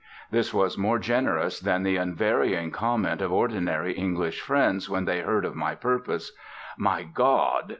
This was more generous than the unvarying comment of ordinary English friends when they heard of my purpose, "My God!"